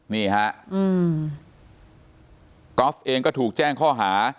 นี่ฮะก๊อฟเองก็ถูกแจ้งข้อหา